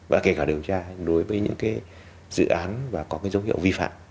và kể cả điều tra đối với những cái dự án và có cái dấu hiệu vi phạm